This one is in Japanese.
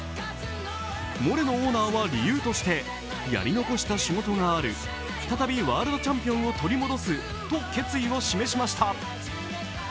モレノオーナーは理由として、やり残した仕事がある、再びワールドチャンピオンを取り戻すと決意を示しました。